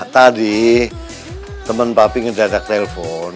tadi temen papi ngedadak telepon